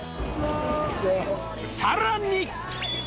さらに！